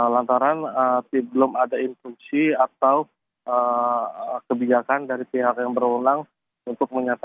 lantaran belum ada instruksi atau kebijakan dari pihak yang berulang untuk menyatakan